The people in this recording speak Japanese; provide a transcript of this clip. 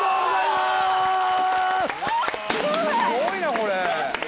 すごいなこれ。